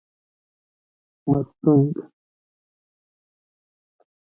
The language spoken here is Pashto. مستونگ